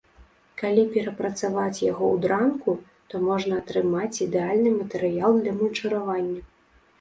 Калі перапрацаваць яго ў дранку, то можна атрымаць ідэальны матэрыял для мульчыравання.